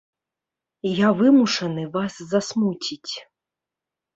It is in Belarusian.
Я вымушаны вас засмуціць.